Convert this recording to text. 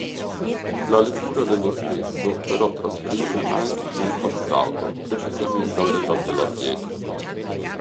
La lettura dello stesso però trasferisce Mike nel passato, precisamente all'età della pietra.